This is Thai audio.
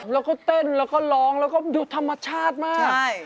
แล้วก็เต้นแล้วก็ร้องแล้วก็ดูธรรมชาติมาก